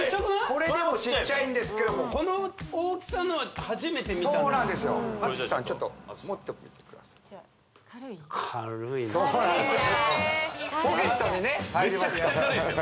これでもちっちゃいんですけどもこの大きさのは初めて見たそうなんですよ淳さんちょっと持ってみてくださいポケットにねめちゃくちゃ軽いですよ